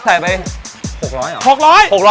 ใส่ไป๖๐๐เหรอ